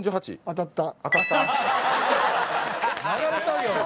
当たった。